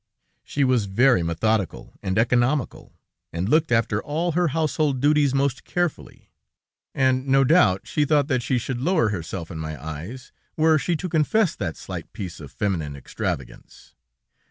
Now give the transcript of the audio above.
She was very methodical and economical, +and looked after all her household duties most carefully, and no doubt she thought that she should lower herself in my eyes, were she to confess that slight piece of feminine extravagance.